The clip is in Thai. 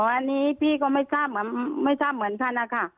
อ๋ออันนี้พี่ก็ไม่ทราบเหมือนฉันอะค่ะ